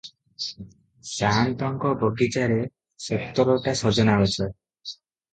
ସାଆନ୍ତଙ୍କ ବଗିଚାରେ ସତରଟା ସଜନାଗଛ ।